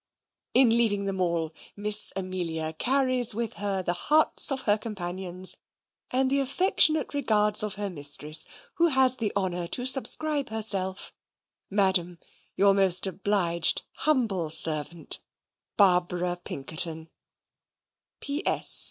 In leaving the Mall, Miss Amelia carries with her the hearts of her companions, and the affectionate regards of her mistress, who has the honour to subscribe herself, Madam, Your most obliged humble servant, BARBARA PINKERTON P.S.